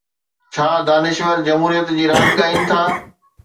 ڇا دانشور جمهوريت جي راڳ ڳائين ٿا؟